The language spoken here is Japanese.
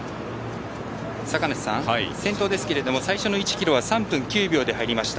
先頭ですけども最初の１ｋｍは３分９秒で入りました。